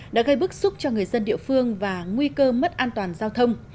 đã gây bức xúc cho người dân địa phương và nguy cơ mất an toàn giao thông